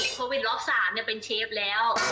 โควิดรอบ๓ก็เป็นเชฟแล้ว